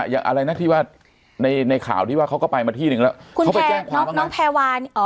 อยากอะไรนะที่ว่าในข่าวที่ว่าเขาก็ไปมาที่หนึ่งแล้ว